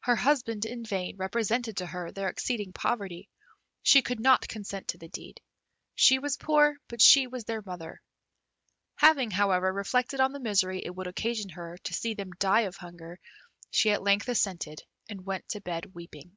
Her husband in vain represented to her their exceeding poverty; she could not consent to the deed. She was poor, but she was their mother. Having, however, reflected on the misery it would occasion her to see them die of hunger, she at length assented, and went to bed weeping.